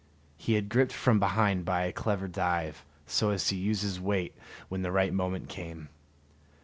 He had gripped from behind by a clever dive, so as to use his weight when the right moment came.